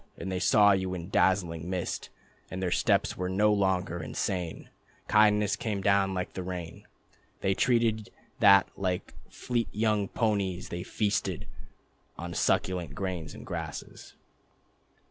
And they saw you in dazzling mist. And their steps were no longer insane, Kindness came down like the rain, They dreamed that like fleet young ponies they feasted On succulent grasses and grain. ..